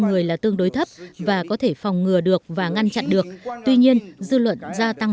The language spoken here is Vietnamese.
người là tương đối thấp và có thể phòng ngừa được và ngăn chặn được tuy nhiên dư luận gia tăng